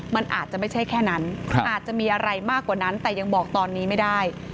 มันอาจจะไม่ใช่แค่นั้นอาจจะมีอะไรมากกว่านั้นแต่ยังบอกตอนนี้ไม่ได้